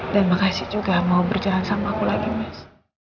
dan makasih juga mau berjalan sama aku lagi mas